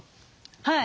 はい。